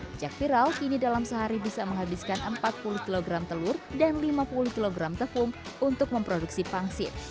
sejak viral kini dalam sehari bisa menghabiskan empat puluh kg telur dan lima puluh kg tepung untuk memproduksi pangsit